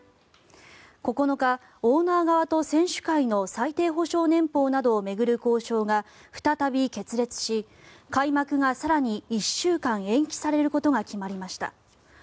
９日、オーナー側と選手会の最低保証年俸などを巡る交渉が再び決裂し、開幕が更に１週間延期されることが決まりました。